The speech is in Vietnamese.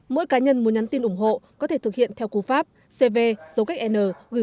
mỗi cá nhân muốn nhắn tin ủng hộ có thể thực hiện theo cú pháp cv n một nghìn bốn trăm linh bảy